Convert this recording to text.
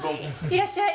いらっしゃい。